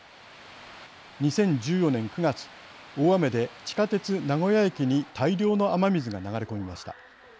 ２０１４年９月、大雨で地下鉄名古屋駅に大量の雨水が流れ込みました。